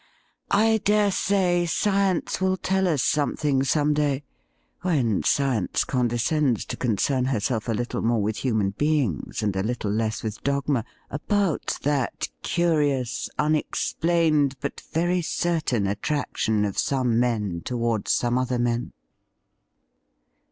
'I dare say Science will tell us something some day — when Science condescends to con cern herself a little more with human beings and a little less with dogma — about that, curious, unexplained, but 168 THE RIDDLE RING very certain attraction of some men towards some other men.'